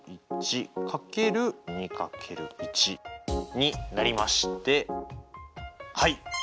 になりましてはい。